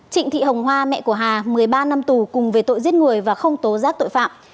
trịnh thị hồng hoa mẹ của hà một mươi ba năm tù cùng về tội giết người và không tố giác tội phạm